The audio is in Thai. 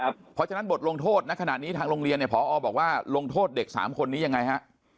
เพราะฉะนั้นบทลงโทษในขณะนี้ทางโรงเรียนเนี่ยพอบอกว่าลงโทษเด็ก๓คนนี้ยังไงฮะ